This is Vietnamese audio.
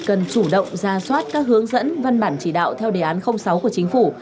cần chủ động ra soát các hướng dẫn văn bản chỉ đạo theo đề án sáu của chính phủ